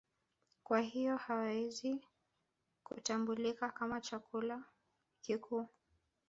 Kwa hiyo haiwezi kutambulika kama chakula kikuu